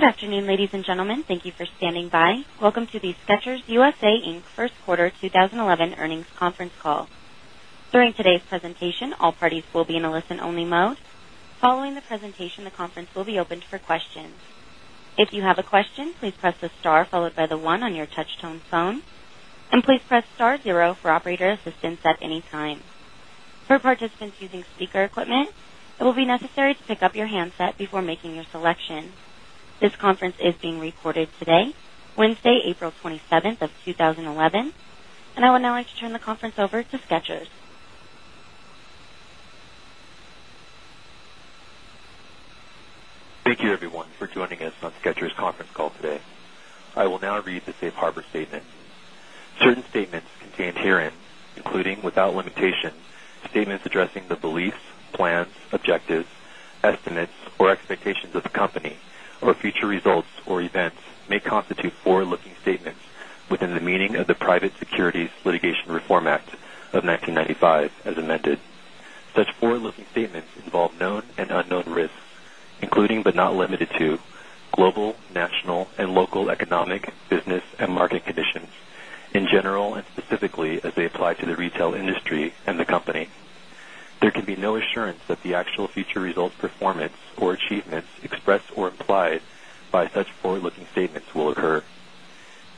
Good afternoon, ladies and gentlemen. Thank you for standing by. Welcome to the Skechers U.S.A., Inc. First Quarter 2011 Earnings Conference Call. During today's presentation, all parties will be in a listen-only mode. Following the presentation, the conference will be open for questions. If you have a question, please press the Star followed by the one on your touch-tone phone, and please press Star, zero for operator assistance at any time. For participants using speaker equipment, it will be necessary to pick up your handset before making your selection. This conference is being recorded today, Wednesday, April 27th, 2011, and I would now like to turn the conference over to Skechers. Thank you, everyone, for joining us on Skechers' conference call today. I will now read the safe harbor statements. Certain statements contained here, including, without limitation, statements addressing the beliefs, plans, objectives, estimates, or expectations of the company, or future results or events, may constitute forward-looking statements within the meaning of the Private Securities Litigation Reform Act of 1995 as amended. Such forward-looking statements involve known and unknown risks, including, but not limited to, global, national, and local economic, business, and market conditions in general and specifically as they apply to the retail industry and the company. There can be no assurance that the actual future results, performance, or achievements expressed or implied by such forward-looking statements will occur.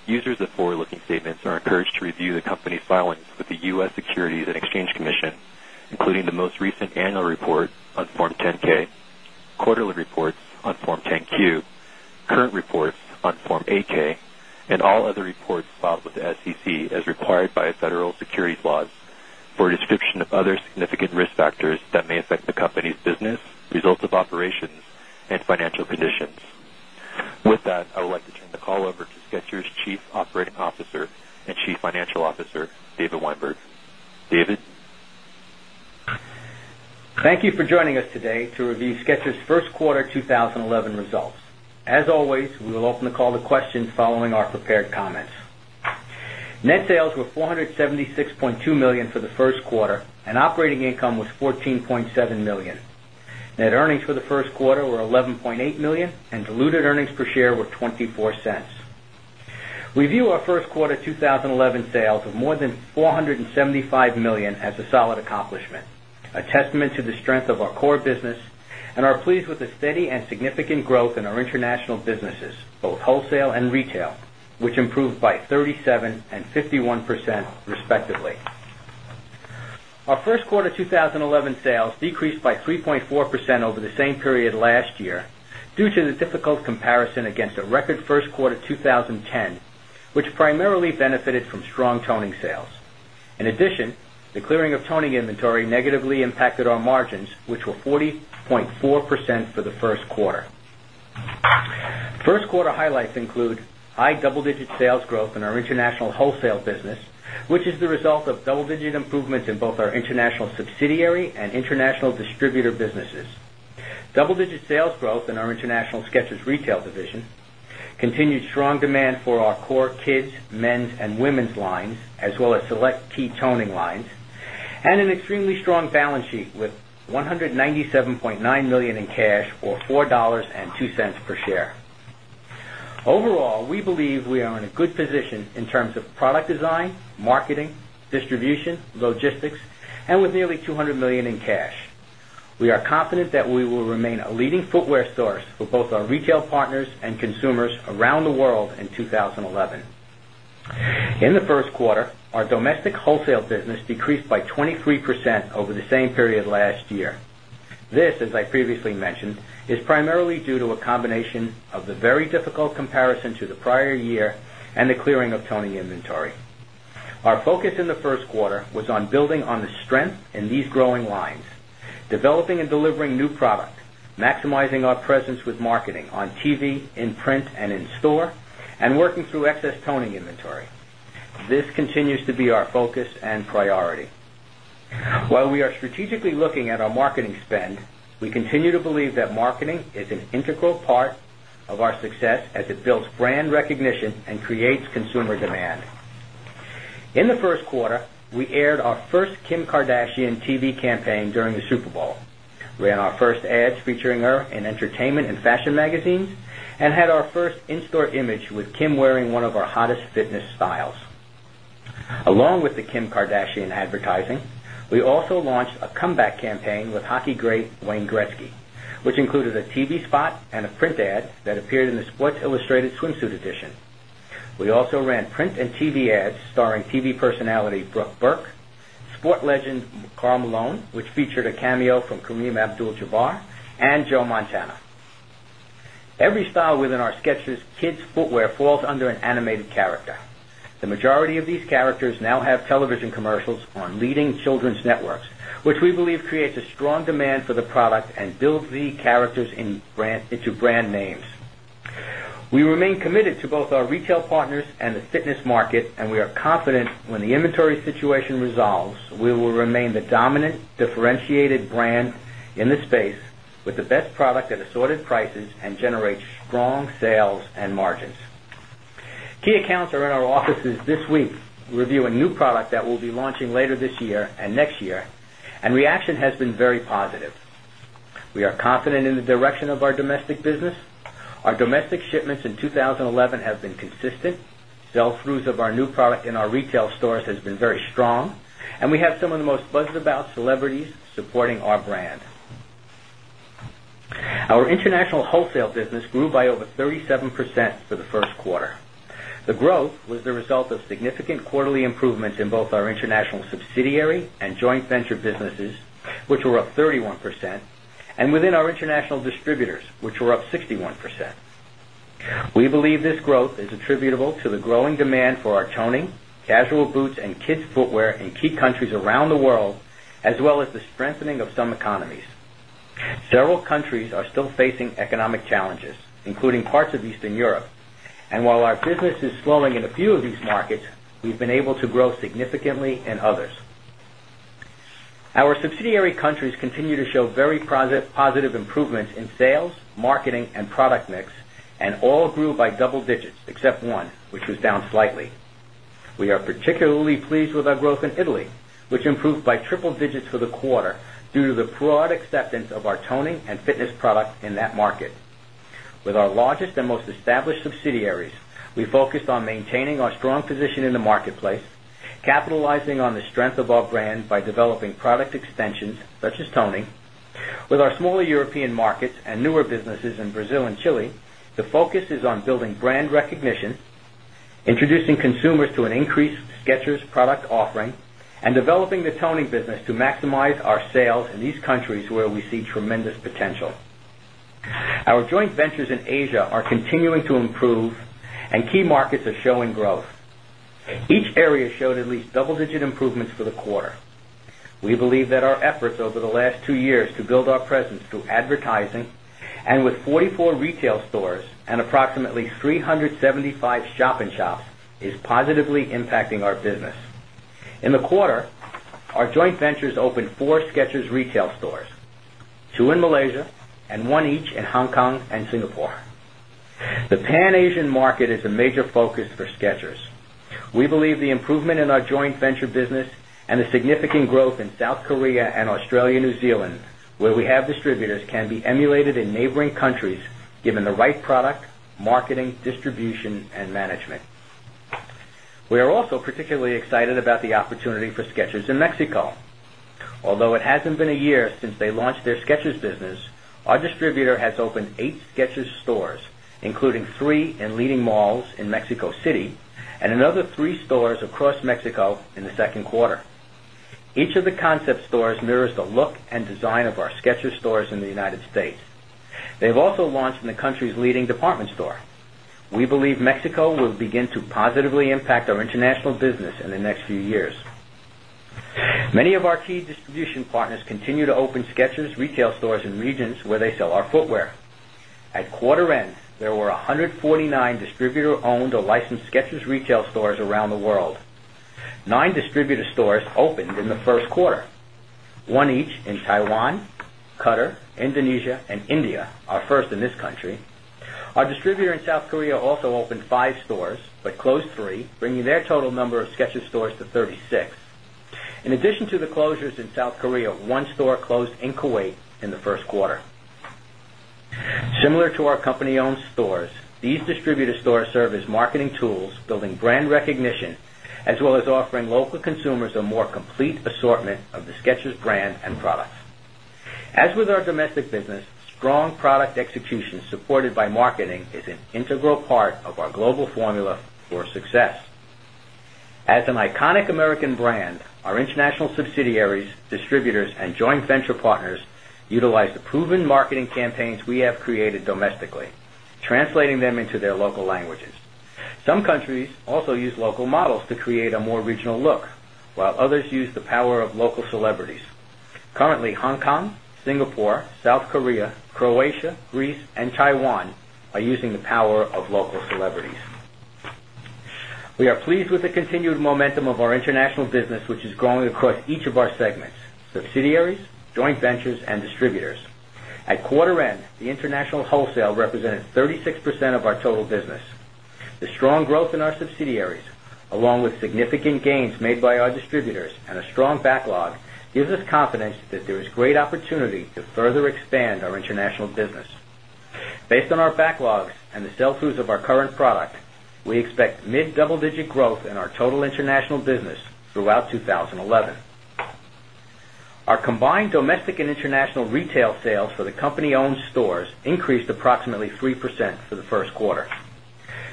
Users of forward-looking statements are encouraged to review the company filings with the U.S. Securities and Exchange Commission, including the most recent annual report on Form 10-K, quarterly reports on Form 10-Q, current reports on Form 8-K, and all other reports filed with the SEC as required by federal securities law for a description of other significant risk factors that may affect the company's business, results of operations, and financial conditions. With that, I would like to turn the call over to Skechers' Chief Operating Officer and Chief Financial Officer, David Weinberg. David? Thank you for joining us today to review Skechers' First Quarter 2011 results. As always, we will open the call to questions following our prepared comments. Net sales were $476.2 million for the first quarter, and operating income was $14.7 million. Net earnings for the first quarter were $11.8 million, and diluted earnings per share were $0.24. We view our first quarter 2011 sales of more than $475 million as a solid accomplishment, a testament to the strength of our core business, and are pleased with the steady and significant growth in our international businesses, both wholesale and retail, which improved by 37% and 51% respectively. Our first quarter 2011 sales decreased by 3.4% over the same period last year due to the difficult comparison against the record first quarter 2010, which primarily benefited from strong toning sales. In addition, the clearing of toning inventory negatively impacted our margins, which were 40.4% for the first quarter. First quarter highlights include high double-digit sales growth in our international wholesale business, which is the result of double-digit improvements in both our international subsidiary and international distributor businesses, double-digit sales growth in our international Skechers retail division, continued strong demand for our core kids, men's, and women's lines, as well as select key toning lines, and an extremely strong balance sheet with $197.9 million in cash or $4.02 per share. Overall, we believe we are in a good position in terms of product design, marketing, distribution, logistics, and with nearly $200 million in cash. We are confident that we will remain a leading footwear source for both our retail partners and consumers around the world in 2011. In the first quarter, our domestic wholesale business decreased by 23% over the same period last year. This, as I previously mentioned, is primarily due to a combination of the very difficult comparison to the prior year and the clearing of toning inventory. Our focus in the first quarter was on building on the strength in these growing lines, developing and delivering new product, maximizing our presence with marketing on TV, in print, and in store, and working through excess toning inventory. This continues to be our focus and priority. While we are strategically looking at our marketing spend, we continue to believe that marketing is an integral part of our success as it builds brand recognition and creates consumer demand. In the first quarter, we aired our first Kim Kardashian TV campaign during the Super Bowl. We ran our first ads featuring her in entertainment and fashion magazines and had our first in-store image with Kim wearing one of our hottest fitness styles. Along with the Kim Kardashian advertising, we also launched a comeback campaign with hockey great Wayne Gretzky, which included a TV spot and a print ad that appeared in the Sports Illustrated swimsuit edition. We also ran print and TV ads starring TV personality Brooke Burke, sport legend Karl Malone, which featured a cameo from Kareem Abdul-Jabbar and Joe Montana. Every style within our Skechers Kids footwear falls under an animated character. The majority of these characters now have television commercials on leading children's networks, which we believe creates a strong demand for the product and builds the characters into brand names. We remain committed to both our retail partners and the fitness market, and we are confident when the inventory situation resolves, we will remain the dominant, differentiated brand in the space with the best product at assorted prices and generate strong sales and margins. Key accounts are in our offices this week reviewing new product that we'll be launching later this year and next year, and reaction has been very positive. We are confident in the direction of our domestic business. Our domestic shipments in 2011 have been consistent. Sell-throughs of our new product in our retail stores have been very strong, and we have some of the most buzzed about celebrities supporting our brand. Our international wholesale business grew by over 37% for the first quarter. The growth was the result of significant quarterly improvements in both our international subsidiary and joint venture businesses, which were up 31%, and within our international distributors, which were up 61%. We believe this growth is attributable to the growing demand for our toning, casual boots, and kids' footwear in key countries around the world, as well as the strengthening of some economies. Several countries are still facing economic challenges, including parts of Eastern Europe, and while our business is slowing in a few of these markets, we've been able to grow significantly in others. Our subsidiary countries continue to show very positive improvements in sales, marketing, and product mix, and all grew by double digits except one, which was down slightly. We are particularly pleased with our growth in Italy, which improved by triple digits for the quarter due to the broad acceptance of our toning and fitness products in that market. With our largest and most established subsidiaries, we focused on maintaining our strong position in the marketplace, capitalizing on the strength of our brand by developing product extensions such as toning. With our smaller European markets and newer businesses in Brazil and Chile, the focus is on building brand recognition, introducing consumers to an increased Skechers product offering, and developing the toning business to maximize our sales in these countries where we see tremendous potential. Our joint ventures in Asia are continuing to improve, and key markets are showing growth. Each area showed at least double-digit improvements for the quarter. We believe that our efforts over the last two years to build our presence through advertising and with 44 retail stores and approximately 375 shopping shops are positively impacting our business. In the quarter, our joint ventures opened four Skechers retail stores, two in Malaysia and one each in Hong Kong and Singapore. The Pan-Asian market is a major focus for Skechers. We believe the improvement in our joint venture business and the significant growth in South Korea and Australia, New Zealand, where we have distributors, can be emulated in neighboring countries given the right product, marketing, distribution, and management. We are also particularly excited about the opportunity for Skechers in Mexico. Although it hasn't been a year since they launched their Skechers business, our distributor has opened eight Skechers stores, including three in leading malls in Mexico City and another three stores across Mexico in the second quarter. Each of the concept stores mirrors the look and design of our Skechers stores in the United States. They've also launched in the country's leading department store. We believe Mexico will begin to positively impact our international business in the next few years. Many of our key distribution partners continue to open Skechers retail stores in regions where they sell our footwear. At quarter end, there were 149 distributor-owned or licensed Skechers retail stores around the world. Nine distributor stores opened in the first quarter, one each in Taiwan, Qatar, Indonesia, and India, our first in this country. Our distributor in South Korea also opened five stores but closed three, bringing their total number of Skechers stores to 36. In addition to the closures in South Korea, one store closed in Kuwait in the first quarter. Similar to our company-owned stores, these distributor stores serve as marketing tools, building brand recognition, as well as offering local consumers a more complete assortment of the Skechers brand and products. As with our domestic business, strong product execution supported by marketing is an integral part of our global formula for success. As an iconic American brand, our international subsidiaries, distributors, and joint venture partners utilize the proven marketing campaigns we have created domestically, translating them into their local languages. Some countries also use local models to create a more regional look, while others use the power of local celebrities. Currently, Hong Kong, Singapore, South Korea, Croatia, Greece, and Taiwan are using the power of local celebrities. We are pleased with the continued momentum of our international business, which is growing across each of our segments: subsidiaries, joint ventures, and distributors. At quarter end, the international wholesale represented 36% of our total business. The strong growth in our subsidiaries, along with significant gains made by our distributors and a strong backlog, gives us confidence that there is great opportunity to further expand our international business. Based on our backlogs and the sell-throughs of our current product, we expect mid-double-digit growth in our total international business throughout 2011. Our combined domestic and international retail sales for the company-owned stores increased approximately 3% for the first quarter.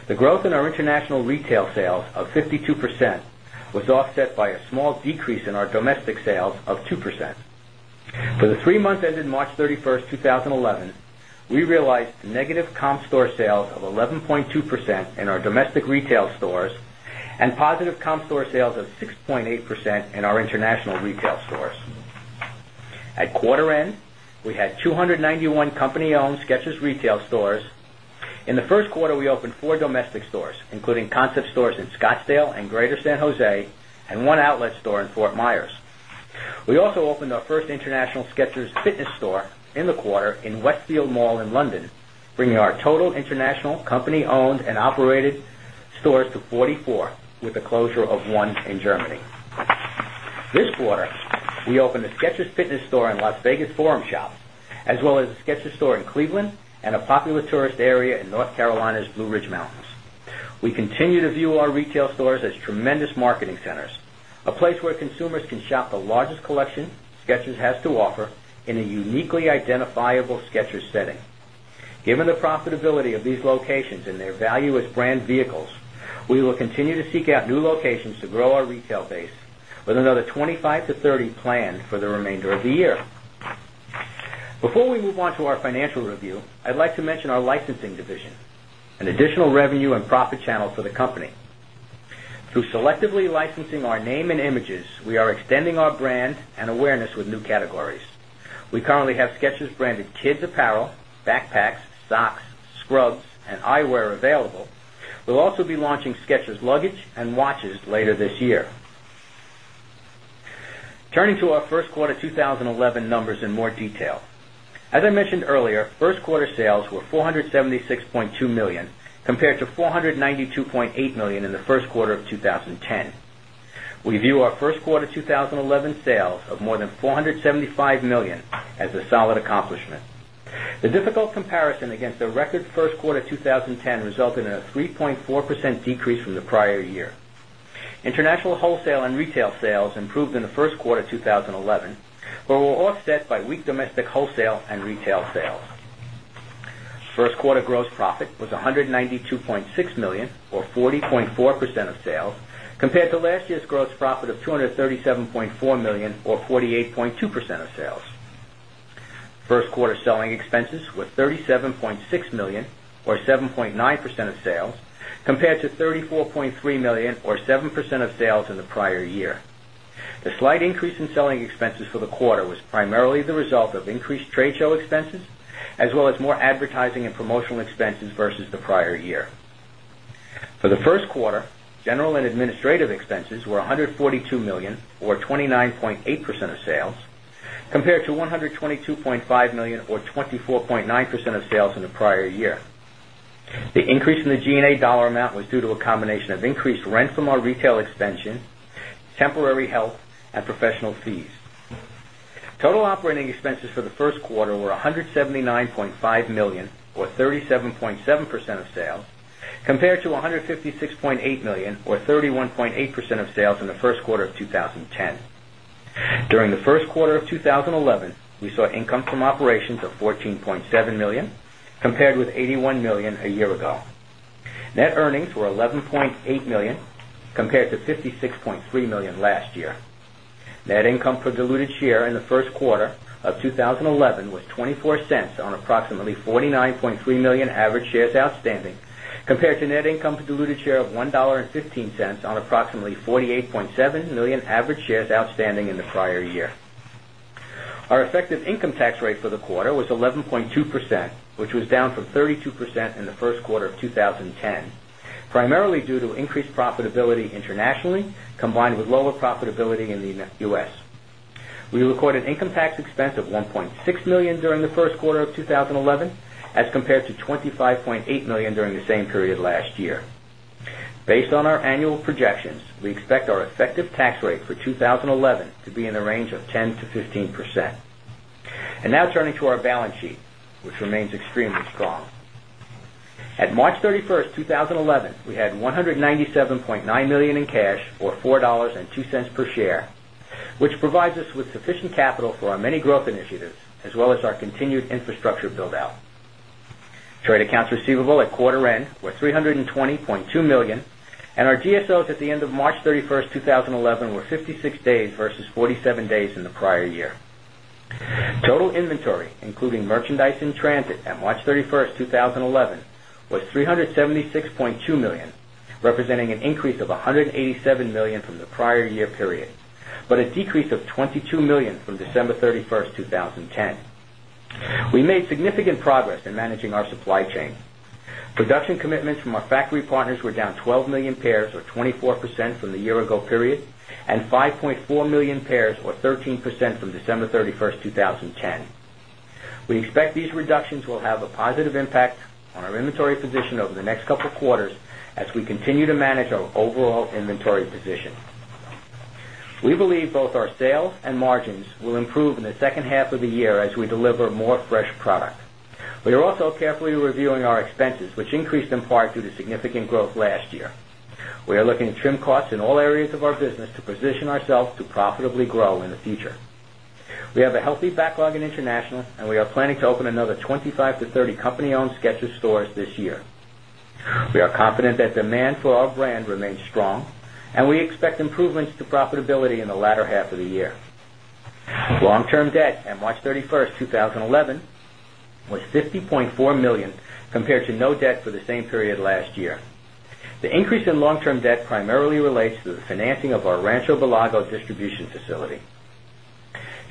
The growth in our international retail sales of 52% was offset by a small decrease in our domestic sales of 2%. For the three months ended March 31st, 2011, we realized a negative comp store sale of 11.2% in our domestic retail stores and positive comp store sales of 6.8% in our international retail stores. At quarter end, we had 291 company-owned Skechers retail stores. In the first quarter, we opened four domestic stores, including concept stores in Scottsdale and Greater San Jose, and one outlet store in Fort Myers. We also opened our first international Skechers fitness store in the quarter in Westfield Mall in London, bringing our total international company-owned and operated stores to 44, with a closure of one in Germany. This quarter, we opened a Skechers fitness store in Las Vegas Forum Shops, as well as a Skechers store in Cleveland and a popular tourist area in North Carolina's Blue Ridge Mountains. We continue to view our retail stores as tremendous marketing centers, a place where consumers can shop the largest collection Skechers has to offer in a uniquely identifiable Skechers setting. Given the profitability of these locations and their value as brand vehicles, we will continue to seek out new locations to grow our retail base, with another 25-30 planned for the remainder of the year. Before we move on to our financial review, I'd like to mention our licensing division, an additional revenue and profit channel for the company. Through selectively licensing our name and images, we are extending our brand and awareness with new categories. We currently have Skechers branded kids' apparel, backpacks, socks, scrubs, and eyewear available. We'll also be launching Skechers luggage and watches later this year. Turning to our first quarter 2011 numbers in more detail. As I mentioned earlier, first quarter sales were $476.2 million compared to $492.8 million in the first quarter of 2010. We view our first quarter 2011 sales of more than $475 million as a solid accomplishment. The difficult comparison against the record first quarter 2010 resulted in a 3.4% decrease from the prior year. International wholesale and retail sales improved in the first quarter 2011, where we were offset by weak domestic wholesale and retail sales. First quarter gross profit was $192.6 million, or 40.4% of sales, compared to last year's gross profit of $237.4 million, or 48.2% of sales. First quarter selling expenses were $37.6 million, or 7.9% of sales, compared to $34.3 million, or 7% of sales in the prior year. The slight increase in selling expenses for the quarter was primarily the result of increased trade show expenses, as well as more advertising and promotional expenses versus the prior year. For the first quarter, general and administrative expenses were $142 million, or 29.8% of sales, compared to $122.5 million, or 24.9% of sales in the prior year. The increase in the G&A dollar amount was due to a combination of increased rent from our retail expansion, temporary help, and professional fees. Total operating expenses for the first quarter were $179.5 million, or 37.7% of sales, compared to $156.8 million, or 31.8% of sales in the first quarter of 2010. During the first quarter of 2011, we saw income from operations of $14.7 million, compared with $81 million a year ago. Net earnings were $11.8 million, compared to $56.3 million last year. Net income per diluted share in the first quarter of 2011 was $0.24 on approximately $49.3 million average shares outstanding, compared to net income per diluted share of $1.15 on approximately $48.7 million average shares outstanding in the prior year. Our effective income tax rate for the quarter was 11.2%, which was down from 32% in the first quarter of 2010, primarily due to increased profitability internationally, combined with lower profitability in the U.S. We recorded income tax expense of $1.6 million during the first quarter of 2011, as compared to $25.8 million during the same period last year. Based on our annual projections, we expect our effective tax rate for 2011 to be in the range of 10%-15%. Turning to our balance sheet, which remains extremely strong. At March 31st, 2011, we had $197.9 million in cash, or $4.02 per share, which provides us with sufficient capital for our many growth initiatives, as well as our continued infrastructure build-out. Trade accounts receivable at quarter end were $320.2 million, and our GSOs at the end of March 31st, 2011, were 56 days versus 47 days in the prior year. Total inventory, including merchandise in transit at March 31st, 2011, was $376.2 million, representing an increase of $187 million from the prior year period, but a decrease of $22 million from December 31st, 2010. We made significant progress in managing our supply chain. Production commitments from our factory partners were down 12 million pairs, or 24% from the year-ago period, and 5.4 million pairs, or 13% from December 31st, 2010. We expect these reductions will have a positive impact on our inventory position over the next couple of quarters as we continue to manage our overall inventory position. We believe both our sales and margins will improve in the second half of the year as we deliver more fresh product. We are also carefully reviewing our expenses, which increased in part due to significant growth last year. We are looking to trim costs in all areas of our business to position ourselves to profitably grow in the future. We have a healthy backlog in international, and we are planning to open another 25-30 company-owned Skechers stores this year. We are confident that demand for our brand remains strong, and we expect improvements to profitability in the latter half of the year. Long-term debt at March 31st, 2011, was $50.4 million, compared to no debt for the same period last year. The increase in long-term debt primarily relates to the financing of our Rancho Belago distribution facility.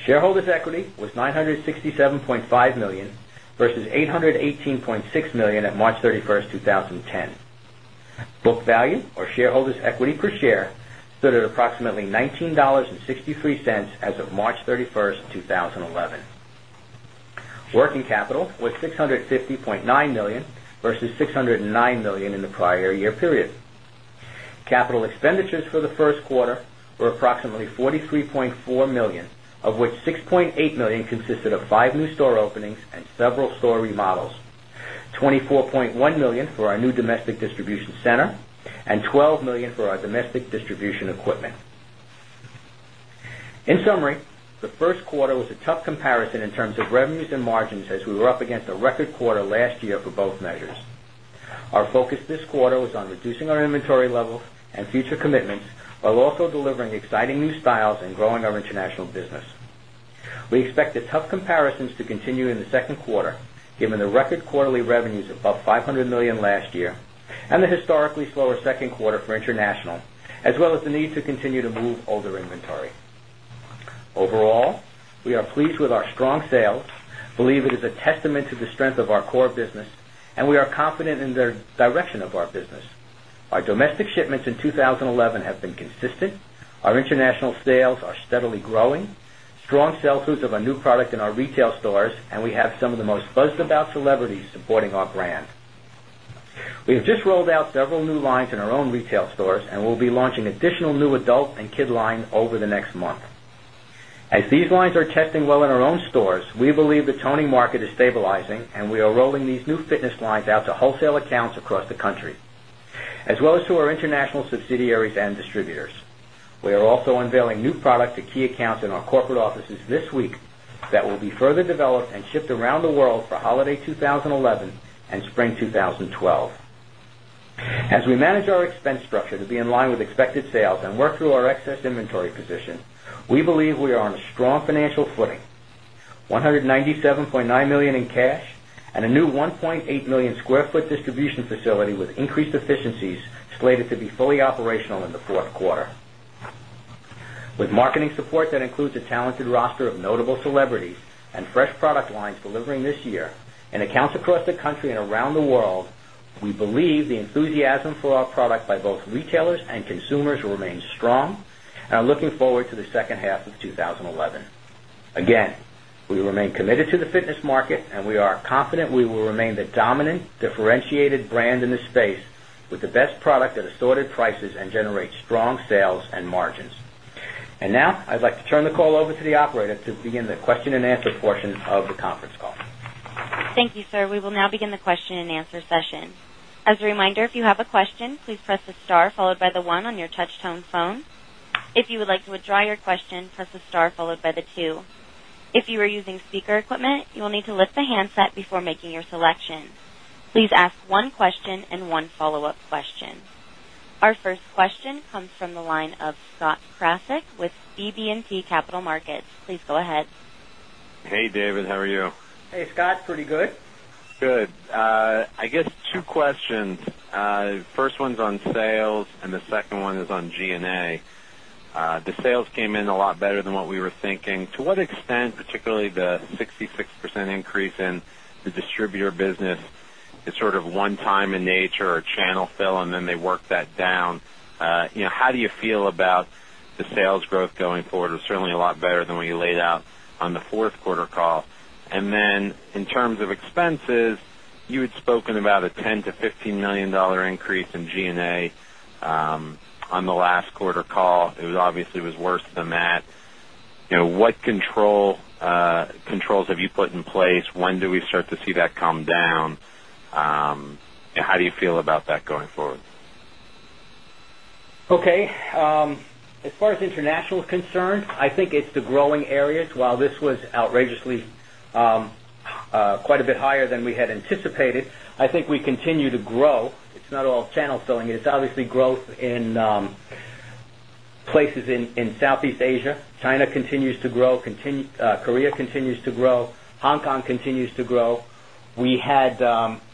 Shareholders' equity was $967.5 million versus $818.6 million at March 31st, 2010. Book value, or shareholders' equity per share, stood at approximately $19.63 as of March 31st, 2011. Working capital was $650.9 million versus $609 million in the prior year period. Capital expenditures for the first quarter were approximately $43.4 million, of which $6.8 million consisted of five new store openings and several store remodels, $24.1 million for our new domestic distribution center, and $12 million for our domestic distribution equipment. In summary, the first quarter was a tough comparison in terms of revenues and margins as we were up against a record quarter last year for both measures. Our focus this quarter was on reducing our inventory levels and future commitments, while also delivering exciting new styles and growing our international business. We expect the tough comparisons to continue in the second quarter, given the record quarterly revenues above $500 million last year and the historically slower second quarter for international, as well as the need to continue to move older inventory. Overall, we are pleased with our strong sales, believe it is a testament to the strength of our core business, and we are confident in the direction of our business. Our domestic shipments in 2011 have been consistent, our international sales are steadily growing, strong sell-throughs of our new product in our retail stores, and we have some of the most buzzed about celebrities supporting our brand. We've just rolled out several new lines in our own retail stores, and we'll be launching additional new adult and kid lines over the next month. As these lines are testing well in our own stores, we believe the toning market is stabilizing, and we are rolling these new fitness lines out to wholesale accounts across the country, as well as to our international subsidiaries and distributors. We are also unveiling new products to key accounts in our corporate offices this week that will be further developed and shipped around the world for holiday 2011 and spring 2012. As we manage our expense structure to be in line with expected sales and work through our excess inventory position, we believe we are on a strong financial footing, $197.9 million in cash, and a new 1.8 million sq ft distribution facility with increased efficiencies slated to be fully operational in the fourth quarter. With marketing support that includes a talented roster of notable celebrities and fresh product lines delivering this year in accounts across the country and around the world, we believe the enthusiasm for our product by both retailers and consumers will remain strong and are looking forward to the second half of 2011. We remain committed to the fitness market, and we are confident we will remain the dominant, differentiated brand in this space with the best product at assorted prices and generate strong sales and margins. Now I'd like to turn the call over to the operator to begin the question and answer portion of the conference call. Thank you, sir. We will now begin the question-and-answer session. As a reminder, if you have a question, please press the Star followed by the one on your touch-tone phone. If you would like to withdraw your question, press the Star followed by the two. If you are using speaker equipment, you will need to lift the handset before making your selection. Please ask one question and one follow-up question. Our first question comes from the line of Scott Prasek with CB&T Capital Markets. Please go ahead. Hey, David. How are you? Hey, Scott. Pretty good. Good. I guess two questions. The first one's on sales, and the second one is on G&A. The sales came in a lot better than what we were thinking. To what extent, particularly the 66% increase in the distributor business, is sort of one-time in nature or channel fill, and then they work that down? How do you feel about the sales growth going forward? It was certainly a lot better than what you laid out on the fourth quarter call. In terms of expenses, you had spoken about a $10 million-$15 million increase in G&A on the last quarter call. It was obviously worse than that. What controls have you put in place? When do we start to see that come down? How do you feel about that going forward? Okay. As far as international is concerned, I think it's the growing areas. While this was outrageously quite a bit higher than we had anticipated, I think we continue to grow. It's not all channel filling. It's obviously growth in places in Southeast Asia. China continues to grow, South Korea continues to grow, Hong Kong continues to grow. We had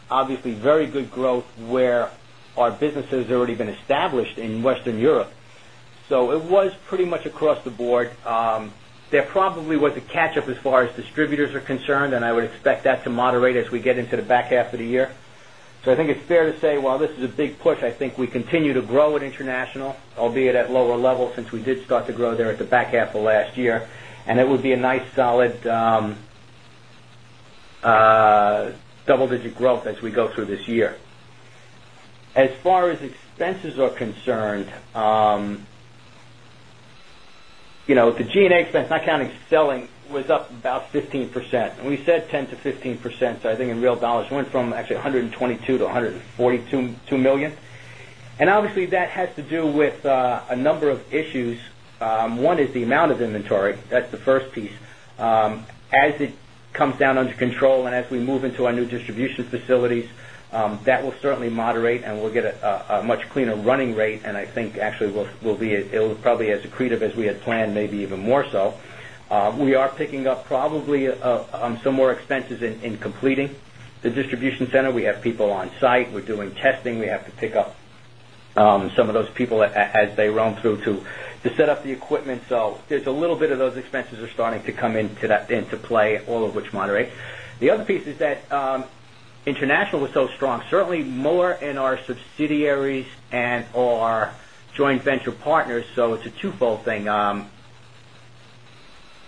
obviously very good growth where our businesses had already been established in Western Europe. It was pretty much across the board. There probably was a catch-up as far as distributors are concerned, and I would expect that to moderate as we get into the back half of the year. I think it's fair to say, while this is a big push, we continue to grow at international, albeit at lower levels since we did start to grow there at the back half of last year, and it would be a nice solid double-digit growth as we go through this year. As far as expenses are concerned, the G&A expense not counting selling was up about 15%. We said 10%-15%, so I think in real dollars it went from actually $122 million to $142 million. That has to do with a number of issues. One is the amount of inventory. That's the first piece. As it comes down under control and as we move into our new distribution facilities, that will certainly moderate, and we'll get a much cleaner running rate, and I think actually it'll be probably as accretive as we had planned, maybe even more so. We are picking up probably some more expenses in completing the distribution center. We have people on site. We're doing testing. We have to pick up some of those people as they roam through to set up the equipment. There's a little bit of those expenses starting to come into play, all of which moderate. The other piece is that international was so strong, certainly more in our subsidiaries and our joint venture partners. It's a twofold thing.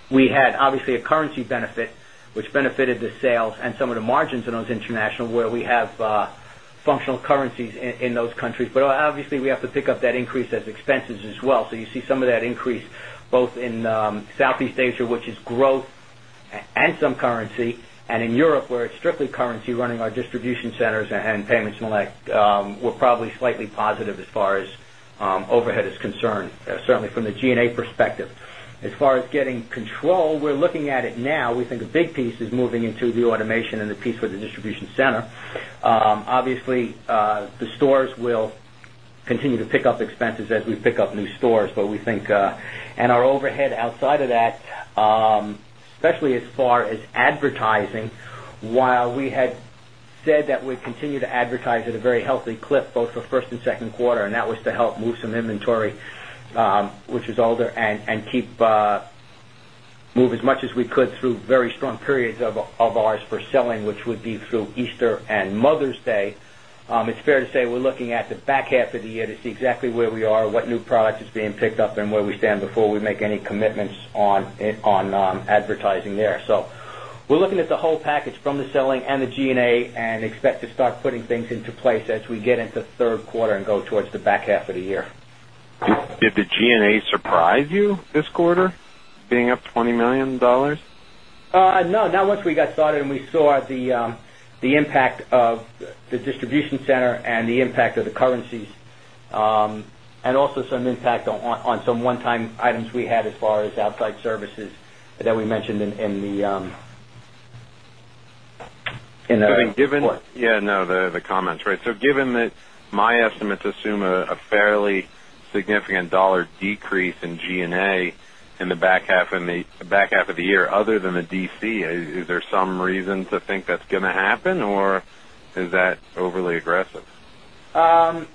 We had obviously a currency benefit, which benefited the sales and some of the margins in those international where we have functional currencies in those countries. Obviously, we have to pick up that increase as expenses as well. You see some of that increase both in Southeast Asia, which is growth and some currency, and in Europe where it's strictly currency running our distribution centers and payments and the like, we're probably slightly positive as far as overhead is concerned, certainly from the G&A perspective. As far as getting control, we're looking at it now. We think a big piece is moving into the automation and the piece for the distribution facility. Obviously, the stores will continue to pick up expenses as we pick up new stores, but we think, and our overhead outside of that, especially as far as advertising, while we had said that we'd continue to advertise at a very healthy clip both for first and second quarter, and that was to help move some inventory, which is older, and keep move as much as we could through very strong periods of ours for selling, which would be through Easter and Mother's Day. It's fair to say we're looking at the back half of the year to see exactly where we are, what new products are being picked up, and where we stand before we make any commitments on advertising there. We are looking at the whole package from the selling and the G&A and expensive stock putting things into place as we get into the third quarter and go towards the back half of the year. Did the G&A surprise you this quarter, being up $20 million? No, not once we got started and we saw the impact of the distribution facility and the impact of the currencies, and also some impact on some one-time items we had as far as outside services that we mentioned in the report. Yeah, the comments, right? Given that my estimates assume a fairly significant dollar decrease in G&A in the back half of the year, other than the DC, is there some reason to think that's going to happen, or is that overly aggressive? I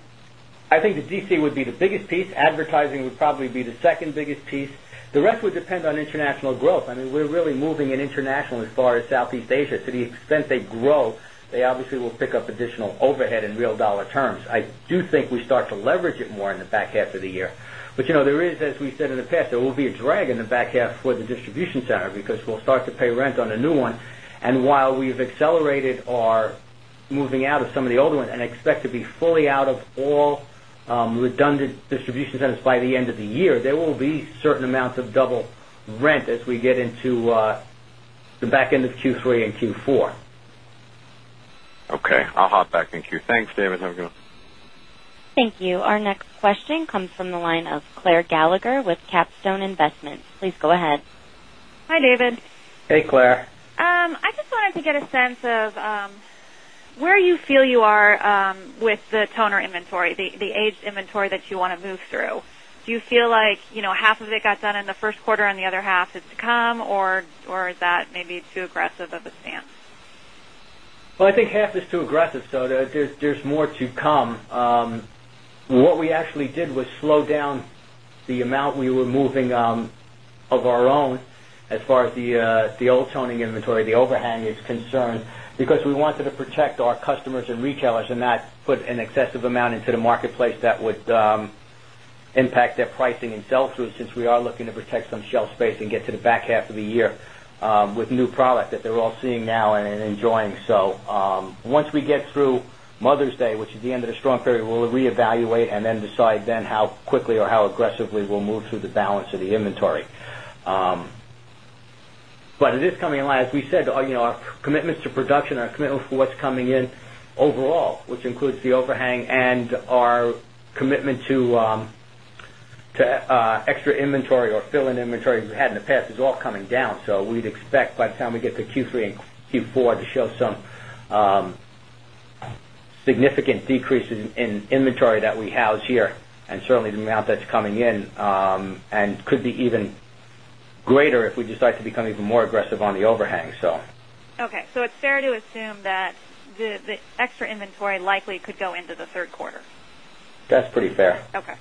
think the distribution center would be the biggest piece. Advertising would probably be the second biggest piece. The rest would depend on international growth. I mean, we're really moving in international as far as Southeast Asia. To the extent they grow, they obviously will pick up additional overhead in real dollar terms. I do think we start to leverage it more in the back half of the year. There is, as we've said in the past, a drag in the back half for the distribution center because we'll start to pay rent on a new one. While we've accelerated our moving out of some of the older ones and expect to be fully out of all redundant distribution centers by the end of the year, there will be certain amounts of double rent as we get into the back end of Q3 and Q4. Okay. I'll hop back in Q3. Thanks, David. Have a good one. Thank you. Our next question comes from the line of Claire Gallagher with Capstone Investments. Please go ahead. Hi, David. Hey, Claire. I just wanted to get a sense of where you feel you are with the toning products inventory, the aged inventory that you want to move through. Do you feel like half of it got done in the first quarter and the other half is to come, or is that maybe too aggressive of a stance? I think half is too aggressive, so there's more to come. What we actually did was slow down the amount we were moving of our own as far as the old toning inventory, the overhang is concerned because we wanted to protect our customers and retailers and not put an excessive amount into the marketplace that would impact their pricing and sell-through since we are looking to protect some shelf space and get to the back half of the year with new product that they're all seeing now and enjoying. Once we get through Mother's Day, which is the end of the storm period, we'll reevaluate and then decide then how quickly or how aggressively we'll move through the balance of the inventory. It is coming in line. As we said, our commitments to production, our commitment for what's coming in overall, which includes the overhang and our commitment to extra inventory or fill-in inventory we've had in the past is all coming down. We'd expect by the time we get to Q3 and Q4 to show some significant decreases in inventory that we house here and certainly the amount that's coming in and could be even greater if we decide to become even more aggressive on the overhang. Okay. It's fair to assume that the extra inventory likely could go into the third quarter? That's pretty fair. Okay.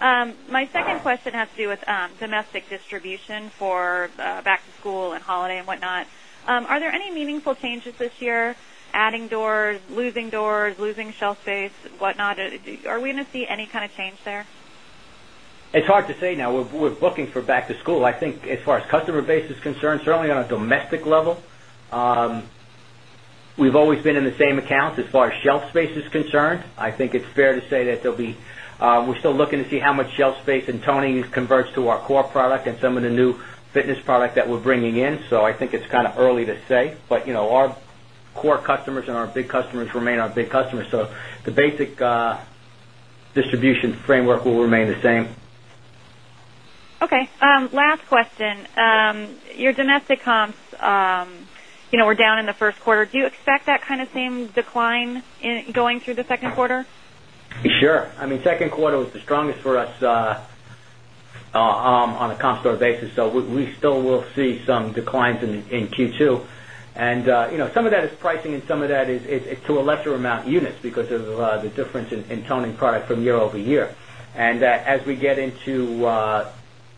My second question has to do with domestic distribution for back-to-school and holiday and whatnot. Are there any meaningful changes this year, adding doors, losing doors, losing shelf space, whatnot? Are we going to see any kind of change there? It's hard to say now. We're booking for back-to-school. I think as far as customer base is concerned, certainly on a domestic level, we've always been in the same accounts as far as shelf space is concerned. I think it's fair to say that we're still looking to see how much shelf space and toning is converged to our core product and some of the new fitness product that we're bringing in. I think it's kind of early to say. Our core customers and our big customers remain our big customers, so the basic distribution framework will remain the same. Okay. Last question. Your domestic comps, you know, were down in the first quarter. Do you expect that kind of same decline going through the second quarter? Sure. I mean, second quarter was the strongest for us on a comp store basis. We still will see some declines in Q2. Some of that is pricing and some of that is to a lesser amount units because of the difference in toning products from year over year. As we get into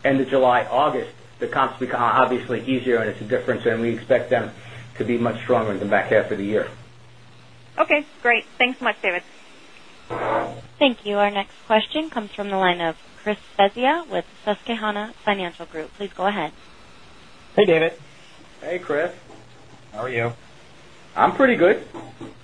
end of July, August, the comps become obviously easier and it's a difference, and we expect them to be much stronger in the back half of the year. Okay. Great. Thanks so much, David. Thank you. Our next question comes from the line of Chris Sazier with Susquehanna Financial Group. Please go ahead. Hey, David. Hey, Chris. How are you? I'm pretty good.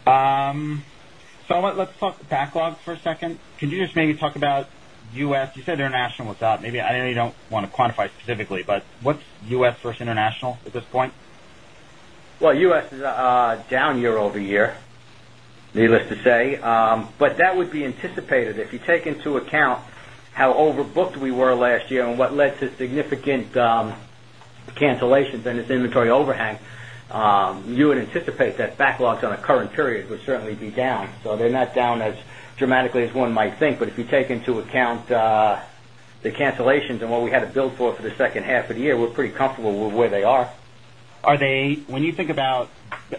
Let's talk the backlog for a second. Can you just maybe talk about U.S.? You said international was up. Maybe I know you don't want to quantify specifically, but what's U.S., versus international at this point? U.S., is down year-over-year, needless to say. That would be anticipated if you take into account how overbooked we were last year and what led to significant cancellations and this inventory overhang. You would anticipate that backlogs on a current period would certainly be down. They're not down as dramatically as one might think. If you take into account the cancellations and what we had to build for for the second half of the year, we're pretty comfortable with where they are. When you think about,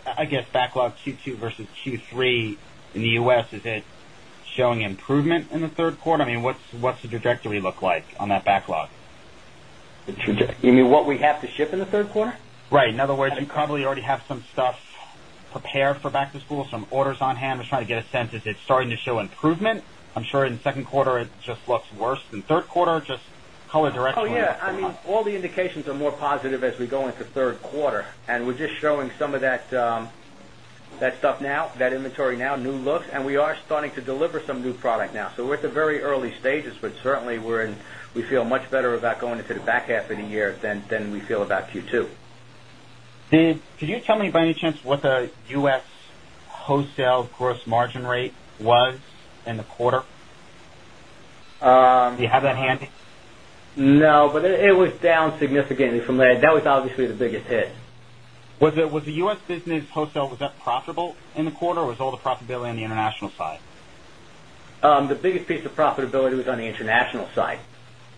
I guess, backlog Q2 versus Q3 in the U.S., is it showing improvement in the third quarter? I mean, what's the trajectory look like on that backlog? You mean what we have to ship in the third quarter? Right. In other words, you probably already have some stuff prepared for back-to-school, some orders on hand. I'm just trying to get a sense as it's starting to show improvement. I'm sure in the second quarter, it just looks worse than third quarter, just color direction. Oh, yeah. I mean, all the indications are more positive as we go into the third quarter. We're just showing some of that inventory now, new looks, and we are starting to deliver some new product now. We're at the very early stages, but certainly, we feel much better about going into the back half of the year than we feel about Q2. David, could you tell me by any chance what the U.S., wholesale gross margin rate was in the quarter? Do you have that handy? No, but it was down significantly from that. That was obviously the biggest hit. Was the U.S., business wholesale, was that profitable in the quarter, or was all the profitability on the international side? The biggest piece of profitability was on the international side.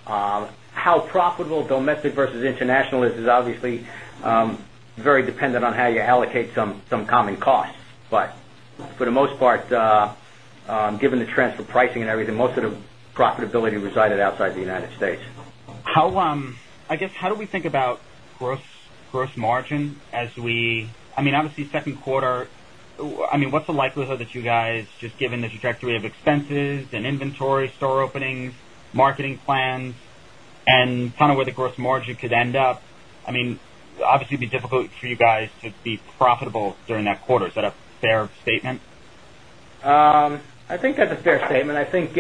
How profitable domestic versus international is is obviously very dependent on how you allocate some common costs. For the most part, given the transfer pricing and everything, most of the profitability resided outside the United States. I guess, how do we think about gross margin as we, I mean, obviously, second quarter, I mean, what's the likelihood that you guys, just given the trajectory of expenses and inventory, store opening, marketing plan, and kind of where the gross margin could end up, I mean, obviously, it'd be difficult for you guys to be profitable during that quarter. Is that a fair statement? I think that's a fair statement. I think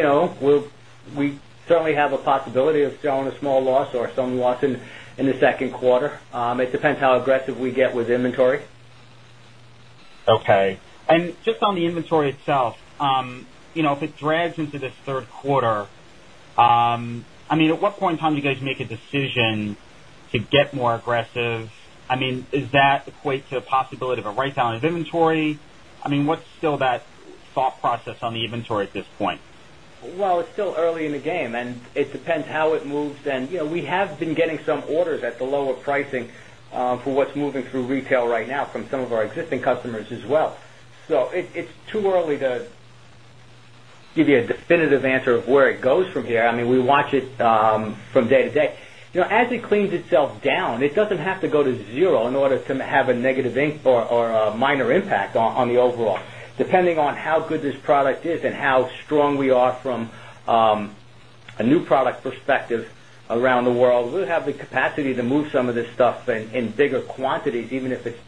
we certainly have a possibility of showing a small loss or some loss in the second quarter. It depends how aggressive we get with inventory. Okay. Just on the inventory itself, if it drags into this third quarter, at what point in time do you guys make a decision to get more aggressive? Does that equate to a possibility of a write-down of inventory? What's still that thought process on the inventory at this point? It's still early in the game, and it depends how it moves. We have been getting some orders at the lower pricing for what's moving through retail right now from some of our existing customers as well. It's too early to give you a definitive answer of where it goes from here. I mean, we watch it from day-to-day. As it cleans itself down, it doesn't have to go to zero in order to have a negative or a minor impact on the overall. Depending on how good this product is and how strong we are from a new product perspective around the world, we'll have the capacity to move some of this stuff in bigger quantities, even if it's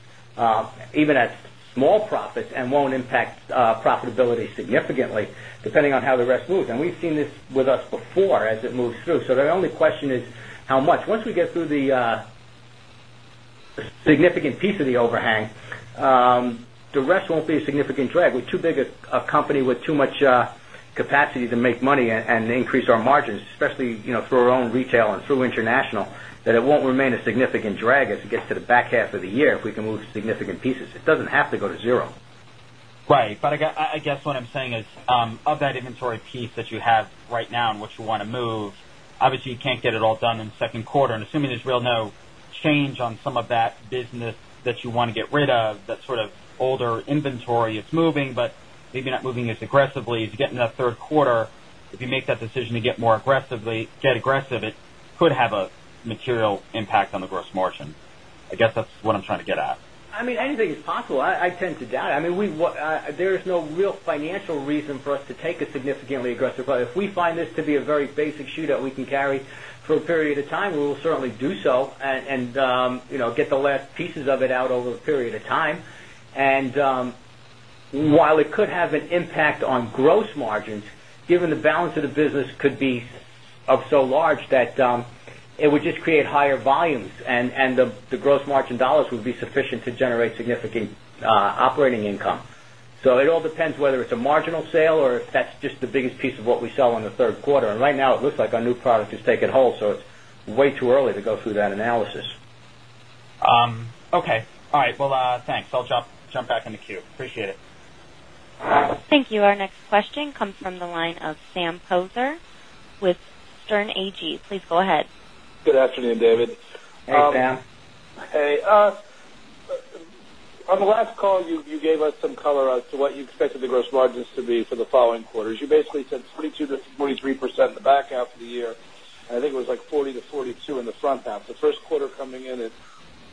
even at small profits and won't impact profitability significantly, depending on how the rest moves. We've seen this with us before as it moves through. The only question is how much. Once we get through the significant piece of the overhang, the rest won't be a significant drag. We're too big a company with too much capacity to make money and increase our margins, especially through our own retail and through international, that it won't remain a significant drag as it gets to the back half of the year if we can move significant pieces. It doesn't have to go to zero. Right. I guess what I'm saying is of that inventory piece that you have right now and what you want to move, obviously, you can't get it all done in the second quarter. Assuming there's really no change on some of that business that you want to get rid of, that sort of older inventory, it's moving, but maybe not moving as aggressively as you get in the third quarter. If you make that decision to get more aggressive, it could have a material impact on the gross margin. I guess that's what I'm trying to get at. I mean, anything is possible. I tend to doubt it. There's no real financial reason for us to take a significantly aggressive approach. If we find this to be a very basic shoe that we can carry for a period of time, we will certainly do so and get the last pieces of it out over a period of time. While it could have an impact on gross margins, given the balance of the business could be so large that it would just create higher volumes and the gross margin dollars would be sufficient to generate significant operating income. It all depends whether it's a marginal sale or if that's just the biggest piece of what we sell in the third quarter. Right now, it looks like our new product has taken hold, so it's way too early to go through that analysis. Okay. All right. Thanks. I'll jump back in the queue. Appreciate it. Thank you. Our next question comes from the line of Sam Poser with Stifel. Please go ahead. Good afternoon, David. Hey, Sam. Hey. On the last call, you gave us some color as to what you expected the gross margins to be for the following quarters. You basically said 42%-43% in the back half of the year, and I think it was like 40%-42% in the front half. The first quarter coming in is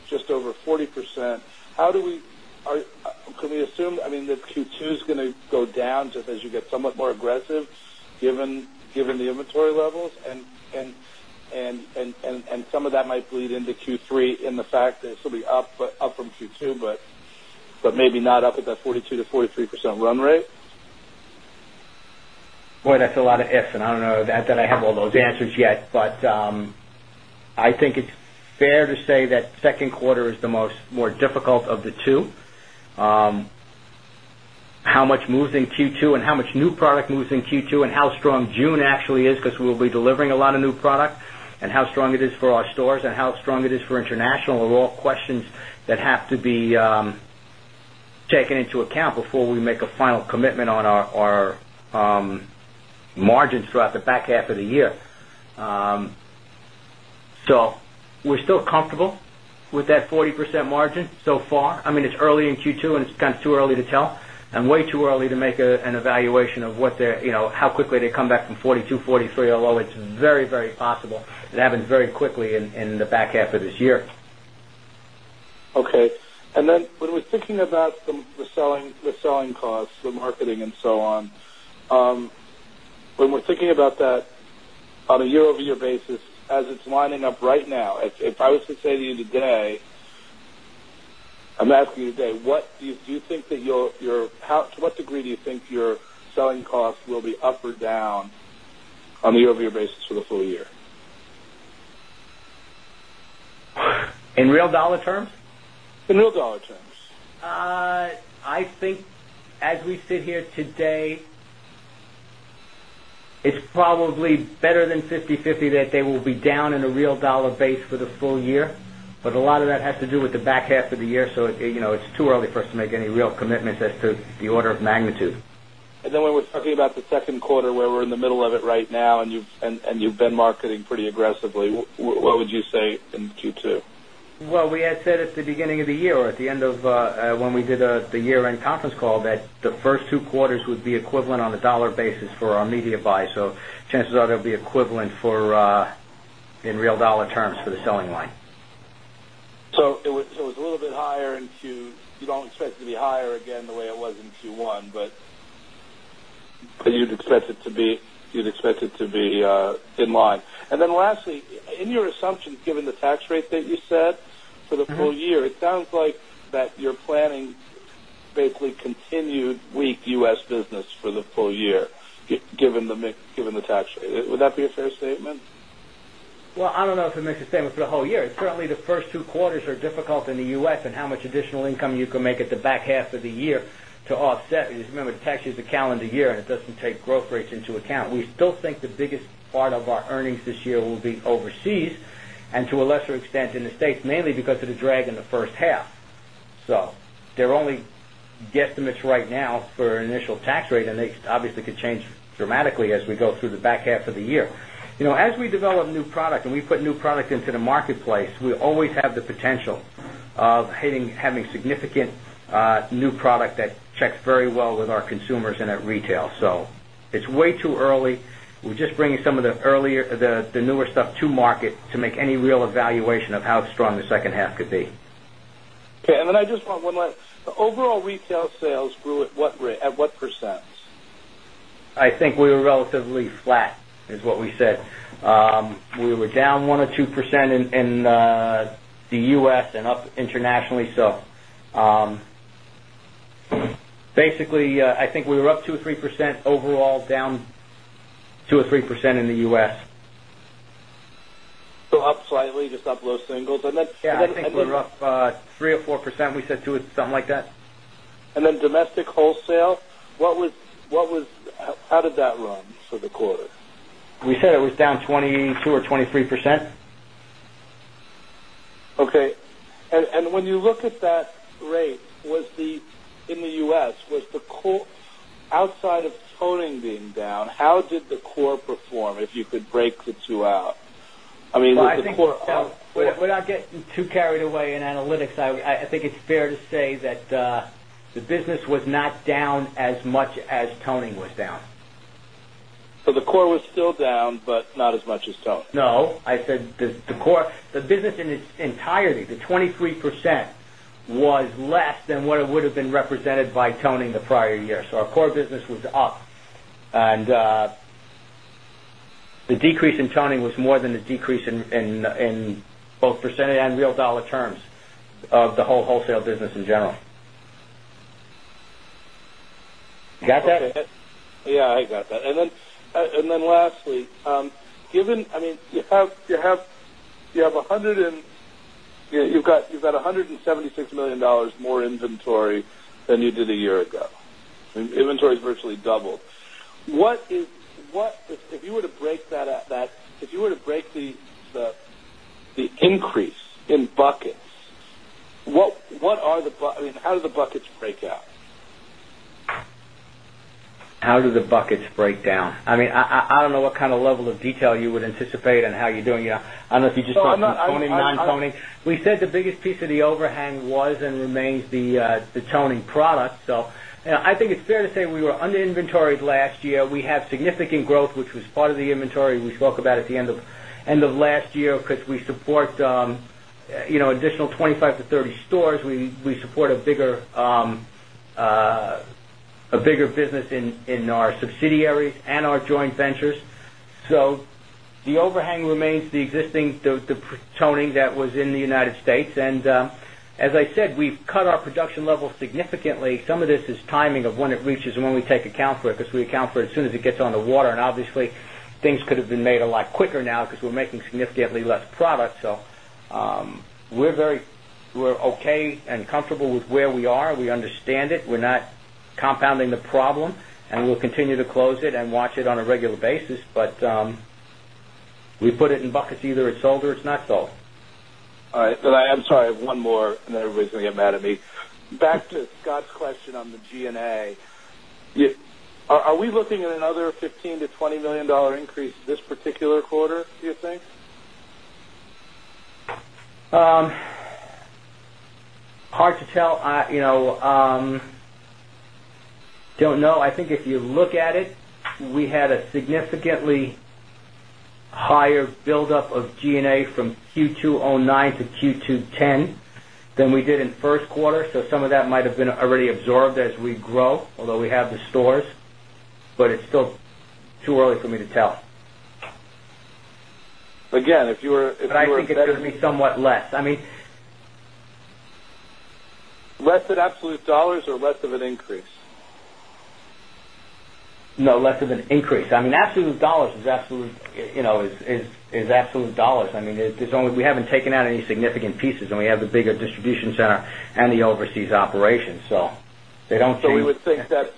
just over 40%. How do we, can we assume that Q2 is going to go down just as you get somewhat more aggressive given the inventory levels? Some of that might bleed into Q3 in the fact that it'll still be up from Q2, but maybe not up at that 42%-43% run rate? Boy, that's a lot of ifs, and I don't know that I have all those answers yet, but I think it's fair to say that second quarter is the more difficult of the two. How much moves in Q2 and how much new product moves in Q2 and how strong June actually is, because we'll be delivering a lot of new product, and how strong it is for our stores and how strong it is for international are all questions that have to be taken into account before we make a final commitment on our margins throughout the back half of the year. We're still comfortable with that 40% margin so far. I mean, it's early in Q2, and it's kind of too early to tell and way too early to make an evaluation of what they're, you know, how quickly they come back from 42%, 43%, although it's very, very possible it happens very quickly in the back half of this year. Okay. When we're thinking about the selling costs, the marketing, and so on, when we're thinking about that on a year-over-year basis, as it's lining up right now, if I was to say to you today, I'm asking you today, what do you think that you're, to what degree do you think your selling costs will be up or down on a year-over-year basis for the full year? In real dollar terms? In real dollar terms. I think as we sit here today, it's probably better than 50-50 that they will be down in a real dollar base for the full year. A lot of that has to do with the back half of the year, so it's too early for us to make any real commitments as to the order of magnitude. When we're talking about the second quarter, where we're in the middle of it right now and you've been marketing pretty aggressively, what would you say in Q2? At the beginning of the year or at the end of when we did the year-end conference call, we said that the first two quarters would be equivalent on $1 basis for our media buy. Chances are they'll be equivalent in real dollar terms for the selling line. It was a little bit higher in Q2. You don't expect it to be higher again the way it was in Q1, but you'd expect it to be in line. Lastly, in your assumption, given the tax rate that you said for the full year, it sounds like that you're planning to basically continue weak U.S., business for the full year, given the tax. Would that be a fair statement? I don't know if it makes a statement for the whole year. It's certainly the first two quarters are difficult in the U.S., and how much additional income you can make at the back half of the year to offset. You just remember, the tax year is a calendar year, and it doesn't take growth rates into account. We still think the biggest part of our earnings this year will be overseas and to a lesser extent in the States, mainly because of the drag in the first half. They're only guesstimates right now for an initial tax rate, and they obviously could change dramatically as we go through the back half of the year. You know, as we develop new product and we put new product into the marketplace, we always have the potential of having significant new product that checks very well with our consumers and at retail. It's way too early. We're just bringing some of the earlier, the newer stuff to market to make any real evaluation of how strong the second half could be. Okay. I just want one last. The overall retail sales grew at what percent? I think we were relatively flat is what we said. We were down 1% or 2% in the U.S., and up internationally. Basically, I think we were up 2% or 3% overall, down 2% or 3% in the U.S. Up slightly to top of those singles? Yeah, I think we were up 3% or 4%. We said 2%, something like that. How did domestic wholesale run for the quarter? We said it was down 24% or 23%. Okay. When you look at that rate, in the U.S., was the core outside of toning being down, how did the core perform if you could break the two out? I mean, was the core? I think, without getting too carried away in analytics, I think it's fair to say that the business was not down as much as toning was down. The core was still down, but not as much as toning? No. I said the core, the business in its entirety, the 23% was less than what it would have been represented by toning the prior year. Our core business was up, and the decrease in toning was more than the decrease in both percentage and real dollar terms of the whole wholesale business in general. You got that? Yeah, I got that. Lastly, do you have, you've got $176 million more in inventory than you did a year ago. Inventory's virtually doubled. If you were to break the increase in buckets, how do the buckets break out? How do the buckets break down? I mean, I don't know what kind of level of detail you would anticipate and how you're doing, you know, unless you just talked about toning, non-toning. We said the biggest piece of the overhang was and remains the toning product. I think it's fair to say we were underinventoried last year. We have significant growth, which was part of the inventory we spoke about at the end of last year because we support additional 25 to 30 stores. We support a bigger business in our subsidiaries and our joint ventures. The overhang remains the existing, the toning that was in the United States. As I said, we've cut our production level significantly. Some of this is timing of when it reaches and when we take account for it because we account for it as soon as it gets on the water. Obviously, things could have been made a lot quicker now because we're making significantly less product. We're okay and comfortable with where we are. We understand it. We're not compounding the problem. We'll continue to close it and watch it on a regular basis. We put it in buckets. Either it's sold or it's not sold. All right. I am sorry, I have one more, and everybody's going to get mad at me. Back to Scott's question on the G&A. Are we looking at another $15 million-$20 million increase this particular quarter, do you think? Hard to tell. I think if you look at it, we had a significantly higher buildup of G&A from Q2 2009-Q2 2010 than we did in the first quarter. Some of that might have been already absorbed as we grow, although we have the stores. It's still too early for me to tell. Again, if you were. I think it's going to be somewhat less. I mean. Less in absolute dollars or less of an increase? No, less of an increase. I mean, absolute dollars is absolute dollars. I mean, we haven't taken out any significant pieces, and we have the bigger distribution center and the overseas operations. They don't seem to. You would think that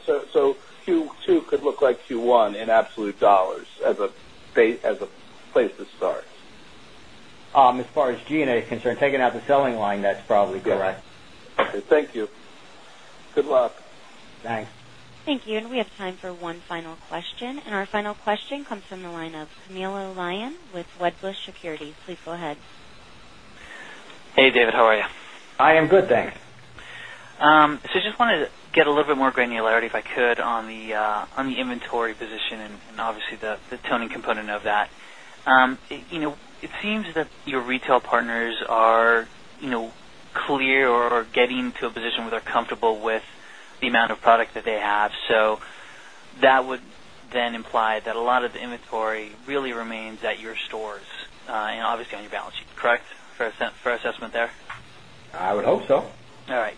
Q2 could look like Q1 in absolute dollars as a place to start? As far as G&A is concerned, taking out the selling line, that's probably correct. Okay, thank you. Good luck. Thanks. Thank you. We have time for one final question. Our final question comes from the line of Sunil Oliyan with Wedbush Securities. Please go ahead. Hey, David. How are you? I am good, thanks. I just wanted to get a little bit more granularity, if I could, on the inventory position and obviously the toning component of that. It seems that your retail partners are clear or getting to a position where they're comfortable with the amount of product that they have. That would then imply that a lot of the inventory really remains at your stores and obviously on your balance sheet, correct? Fair assessment there? I would hope so. All right.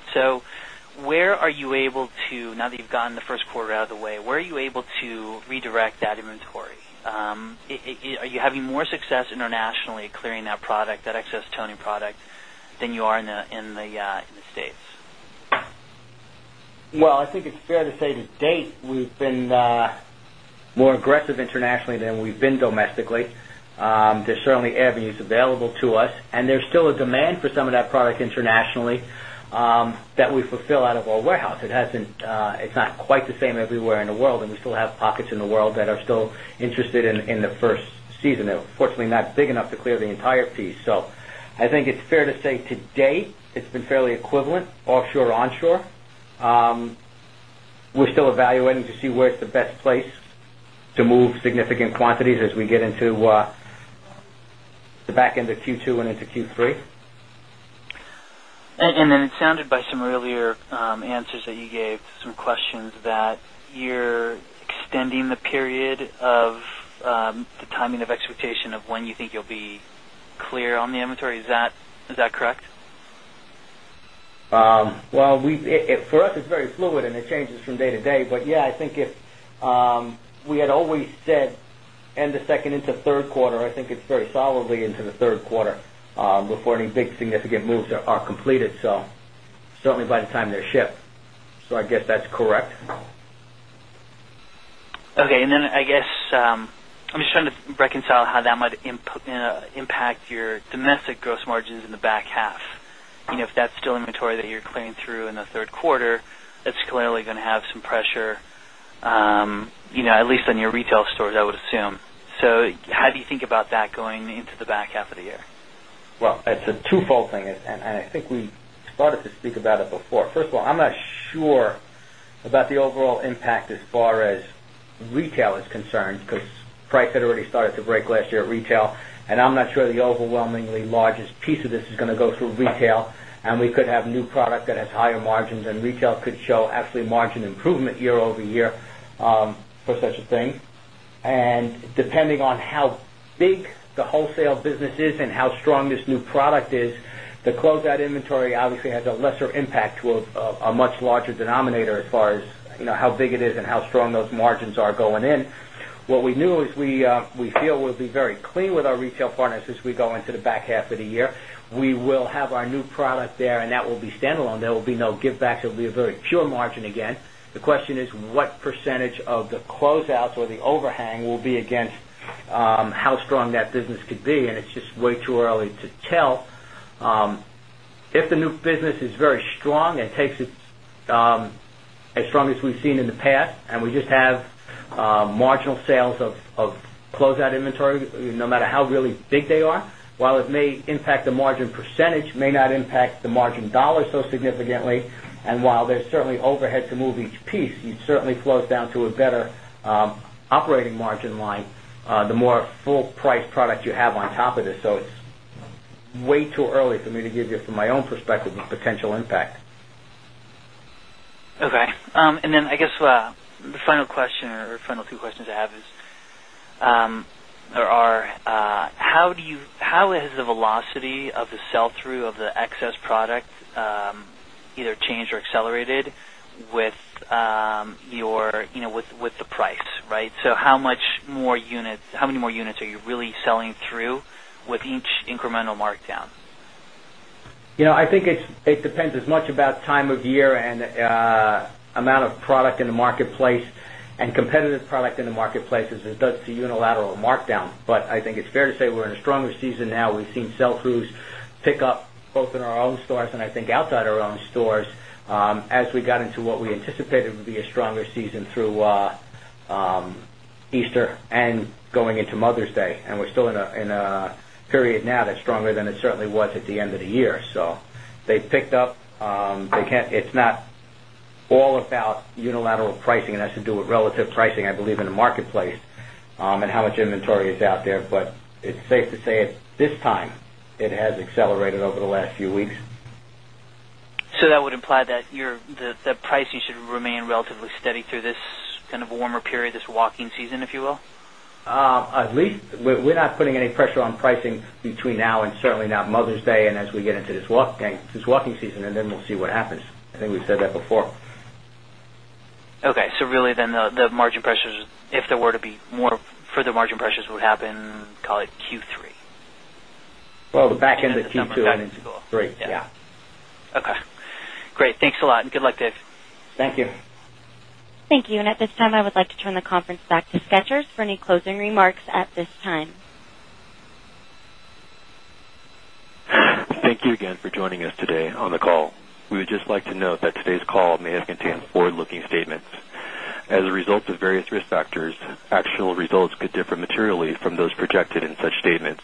Where are you able to, now that you've gotten the first quarter out of the way, where are you able to redirect that inventory? Are you having more success internationally clearing that product, that excess toning product, than you are in the States? I think it's fair to say to date, we've been more aggressive internationally than we've been domestically. There are certainly avenues available to us, and there's still a demand for some of that product internationally that we fulfill out of our warehouse. It hasn't, it's not quite the same everywhere in the world, and we still have pockets in the world that are still interested in the first season. They're fortunately not big enough to clear the entire piece. I think it's fair to say to date, it's been fairly equivalent offshore or onshore. We're still evaluating to see where it's the best place to move significant quantities as we get into the back end of Q2 and into Q3. It sounded by some earlier answers that you gave to some questions that you're extending the period of the timing of expectation of when you think you'll be clear on the inventory. Is that correct? For us, it's very fluid, and it changes from day to day. I think if we had always said end of second into third quarter, I think it's very solidly into the third quarter before any big significant moves are completed, certainly by the time they're shipped. I guess that's correct. Okay. I guess I'm just trying to reconcile how that might impact your domestic gross margins in the back half. If that's still inventory that you're clearing through in the third quarter, that's clearly going to have some pressure, at least on your retail stores, I would assume. How do you think about that going into the back half of the year? It's a twofold thing. I think we started to speak about it before. First of all, I'm not sure about the overall impact as far as retail is concerned because price had already started to break last year at retail. I'm not sure the overwhelmingly largest piece of this is going to go through retail. We could have new product that has higher margins, and retail could show actually margin improvement year over year for such things. Depending on how big the wholesale business is and how strong this new product is, the close-out inventory obviously has a lesser impact towards a much larger denominator as far as how big it is and how strong those margins are going in. What we knew is we feel we'll be very clean with our retail partners as we go into the back half of the year. We will have our new product there, and that will be standalone. There will be no givebacks. It'll be a very pure margin again. The question is what % of the closeouts or the overhang will be against how strong that business could be. It's just way too early to tell. If the new business is very strong and takes it as strong as we've seen in the past, and we just have marginal sales of close-out inventory, no matter how really big they are, while it may impact the margin percentage, it may not impact the margin dollar so significantly. While there's certainly overhead to move each piece, you certainly flow it down to a better operating margin line the more full-priced product you have on top of this. It's way too early for me to give you from my own perspective of potential impact. Okay. I guess the final question or final two questions I have is, how do you, how has the velocity of the sell-through of the excess product either changed or accelerated with your, you know, with the price, right? How much more units, how many more units are you really selling through with each incremental markdown? I think it depends as much on time of year and amount of product in the marketplace and competitive product in the marketplace as it does to unilateral markdown. I think it's fair to say we're in a stronger season now. We've seen sell-throughs pick up both in our own stores and outside our own stores as we got into what we anticipated would be a stronger season through Easter and going into Mother's Day. We're still in a period now that's stronger than it certainly was at the end of the year. They picked up, it's not all about unilateral pricing, and it has to do with relative pricing, I believe, in the marketplace and how much inventory is out there. It's safe to say this time it has accelerated over the last few weeks. That would imply that your pricing should remain relatively steady through this kind of warmer period, this walking season, if you will? At least we're not putting any pressure on pricing between now and certainly not Mother's Day, and as we get into this walking season, we'll see what happens. I think we've said that before. Okay. Really then the margin pressures, if there were to be more further margin pressures, would happen, call it Q3. The back end of Q2 and into Q3. Yeah. Okay. Great. Thanks a lot, and good luck, David. Thank you. Thank you. At this time, I would like to turn the conference back to Skechers for any closing remarks. Thank you again for joining us today on the call. We would just like to note that today's call may have contained forward-looking statements. As a result of various risk factors, actual results could differ materially from those projected in such statements.